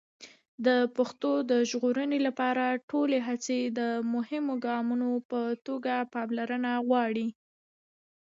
د پښتو د ژغورنې لپاره ټولې هڅې د مهمو ګامونو په توګه پاملرنه غواړي.